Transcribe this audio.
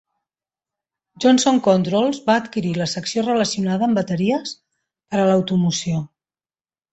Johnson Controls va adquirir la secció relacionada amb bateries per a l'automoció.